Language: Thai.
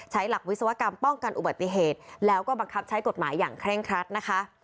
หลักวิศวกรรมป้องกันอุบัติเหตุแล้วก็บังคับใช้กฎหมายอย่างเคร่งครัดนะคะ